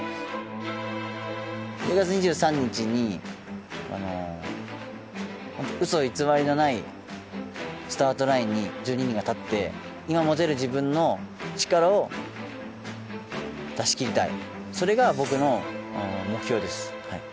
１０月２３日に、うそ偽りのないスタートラインに１２人が立って、今持てる自分の力を出し切りたい。それが僕の目標です。